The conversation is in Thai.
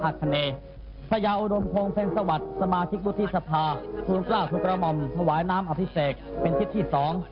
จากนั้นเวลา๑๑นาฬิกาเศรษฐ์พระธินั่งไพรศาลพักศิลป์